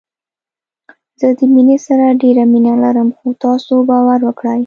زه د مينې سره ډېره مينه لرم خو تاسو باور وکړئ